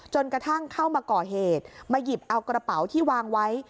จนกระทั่งเข้ามาก่อเหตุมาหยิบเอากระเป๋าที่วางไว้